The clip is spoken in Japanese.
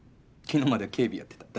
昨日まで警備やってた。